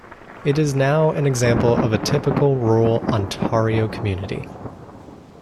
It is now an example of a typical rural Ontario community.